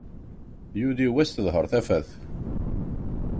Yuli wass teḍher tafat.